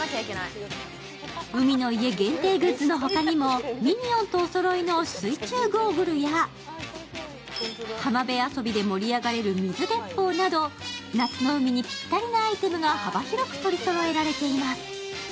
海の家限定グッズの他にもミニオンとおそろいの水中ゴーグルや浜辺遊びで盛り上がれる水鉄砲など、幅広く取りそろえられています。